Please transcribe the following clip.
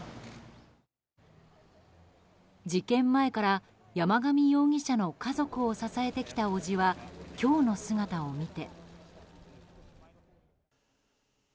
事件前から山上容疑者の家族を支えてきた伯父は今日の姿を見て。